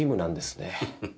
フフ。